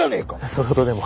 それほどでも。